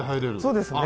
そうですね。